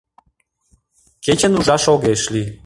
Кечын ужаш огеш лий.